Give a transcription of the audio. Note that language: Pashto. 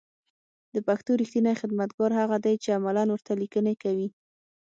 د پښتو رېښتينی خدمتگار هغه دی چې عملاً ورته ليکنې کوي